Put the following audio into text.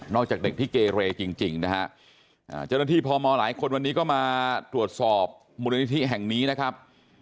จากเด็กที่เกเรจริงนะฮะเจ้าหน้าที่พมหลายคนวันนี้ก็มาตรวจสอบมูลนิธิแห่งนี้นะครับ